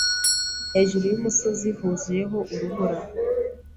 Hejuru yumusozi huzuyeho urubura.